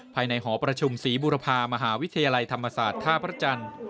หอประชุมศรีบุรพามหาวิทยาลัยธรรมศาสตร์ท่าพระจันทร์